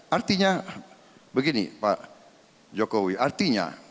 artinya begini pak jokowi